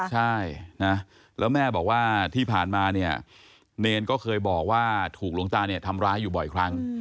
ใช่แล้วแม่บอกว่าที่ผ่านมาเนรก็เคยบอกว่าถูกลงตาทำร้ายอยู่บ่อยครั้ง